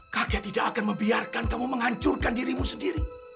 kakek tidak akan membiarkan kamu menghancurkan dirimu sendiri